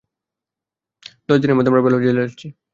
দশ দিনের মধ্যে আমরা ভেলর জেলে যাচ্ছি।